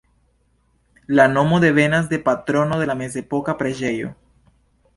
La nomo devenas de patrono de la mezepoka preĝejo.